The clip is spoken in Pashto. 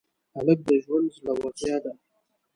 هلک د ژوند زړورتیا ده.